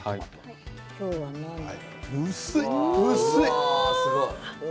今日は何だろう。